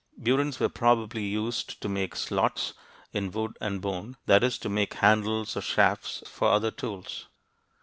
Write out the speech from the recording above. Burins were probably used to make slots in wood and bone; that is, to make handles or shafts for other tools.